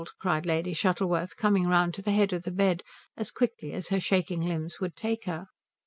cried Lady Shuttleworth, coming round to the head of the bed as quickly as her shaking limbs would take her.